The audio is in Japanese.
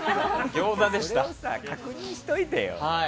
それを確認しておいてよ。